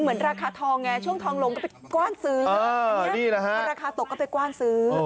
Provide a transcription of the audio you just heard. เหมือนราคาทองไงช่วงทองลงก็ไปปว้านซื้อ